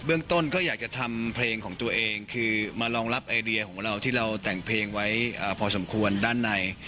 เรื่องต้นก็อยากจะทำเพลงของตัวเองคือมารองรับไอเดียของเราที่เราแต่งเพลงไว้พอสมควรด้านใน